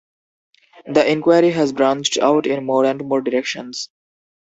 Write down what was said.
The inquiry has branched out in more and more directions.